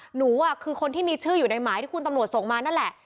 หนูคือคนที่มีชื่ออยู่ในหมายที่คุณตำรวจส่งมานั่นแหละ